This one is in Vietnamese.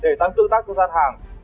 để tăng tự tác cho gia đình